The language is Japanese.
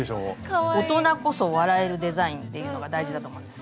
大人こそ笑えるデザインっていうのが大事だと思うんです。